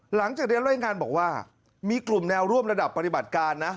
หลังจากเรียนรายงานบอกว่ามีกลุ่มแนวร่วมระดับปฏิบัติการนะ